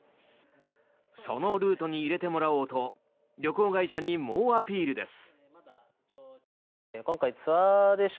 そのルートに入れてもらおうと旅行会社に猛アピールです。